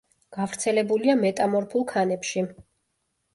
გავრცელებულია მეტამორფულ ქანებში.